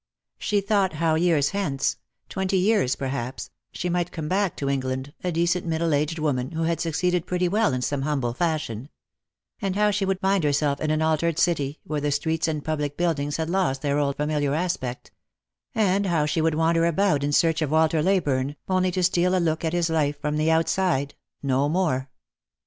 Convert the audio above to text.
She thought how years hence — twenty years, perhaps — she might come back to England, a decent middle aged woman, who had succeeded pretty well in some humble fashion; and how she would find herself in an altered city, where the streets and public buildings had lost their old familiar aspect; and how she would wander about in search of Walter Leyburne, only to steal a look at his life from the outside — no more.